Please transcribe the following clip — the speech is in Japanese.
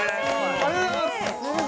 ◆ありがとうございます！